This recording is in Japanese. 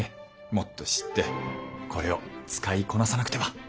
もっと知ってこれを使いこなさなくては！